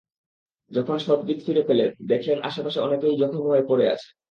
যখন সংবিৎ ফিরে পেলেন, দেখলেন আশপাশে অনেকেই জখম হয়ে পড়ে আছে।